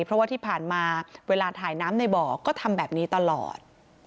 เพราะว่าที่ผ่านมาเวลาถ่ายน้ำในบ่อก็ทำแบบนี้ตลอด